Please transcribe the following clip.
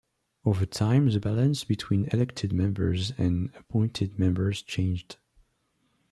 Over time the balance between elected members and appointed members changed.